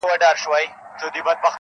نن په مستو سترګو د جام ست راته ساقي وکړ,